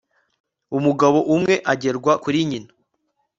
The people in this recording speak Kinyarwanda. umugabo umwe agerwa kuri nyina